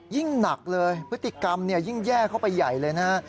ยิ่งหนักเลยพฤติกรรมยิ่งแย่เข้าไปใหญ่เลยนะฮะ